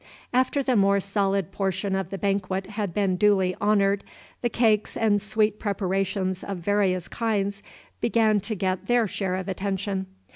After the more solid portion of the banquet had been duly honored, the cakes and sweet preparations of various kinds began to get their share of attention.